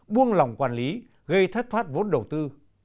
buông lòng quản lý gây thất thoát vốn đầu tư